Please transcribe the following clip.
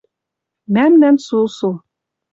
Мӓмнӓн сусу —